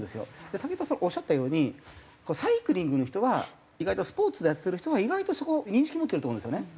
先ほどおっしゃったようにサイクリングの人は意外とスポーツでやってる人は意外とそこ認識持ってると思うんですよね。